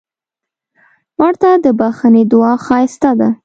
مړه ته د بښنې دعا ښایسته ده